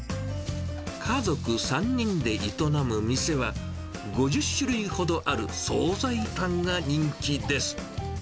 家族３人で営む店は、５０種類ほどある総菜パンが人気です。